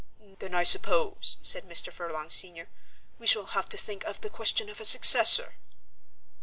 "Then, I suppose," said Mr. Furlong senior, "we shall have to think of the question of a successor."